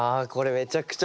めちゃくちゃ。